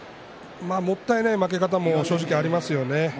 もったいない負け方も正直ありますよね。